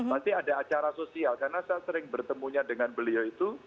pasti ada acara sosial karena saya sering bertemunya dengan beliau itu